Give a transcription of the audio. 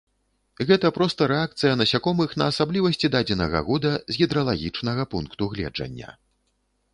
Гэта проста рэакцыя насякомых на асаблівасці дадзенага года з гідралагічнага пункту гледжання.